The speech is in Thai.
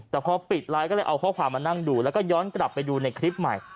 แต่พอปิดไลค์ก็เลยเอาข้อความมานั่งดูแล้วก็ย้อนกลับไปดูในคลิปใหม่